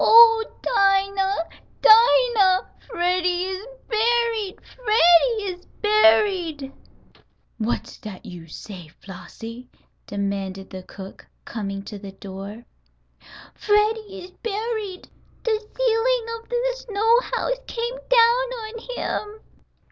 "Oh, Dinah! Dinah! Freddie is buried! Freddie is buried!" "Wot's dat yo' say, Flossie?" demanded the cook, coming to the door. "Freddie is buried. The ceiling of the snow house came down on him!"